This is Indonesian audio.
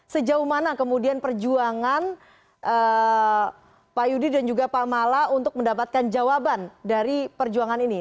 sejauh mana kemudian perjuangan pak yudi dan juga pak mala untuk mendapatkan jawaban dari perjuangan ini